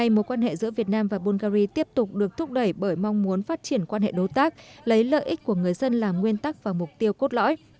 mối quan hệ giữa việt nam và bungary tiếp tục được thúc đẩy bởi mong muốn phát triển quan hệ đối tác lấy lợi ích của người dân là nguyên tắc và mục tiêu cốt lõi